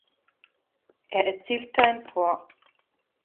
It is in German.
Er erzielte ein Tor.